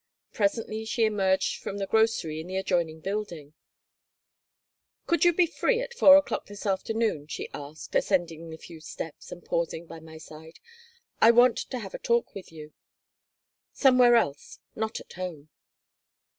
Presently she emerged from the grocery in the adjoining building "Could you be free at 4 o'clock this afternoon?" she asked, ascending the few steps, and pausing by my side. "I want to have a talk with you. Somewhere else. Not at home."